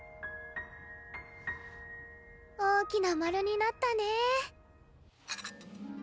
大きな丸になったねえ。